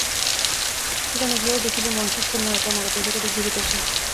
সেখানে গিয়াও দেখিবে, মন সুস্থির নহে, ক্রমাগত এদিক ওদিক ঘুরিতেছে।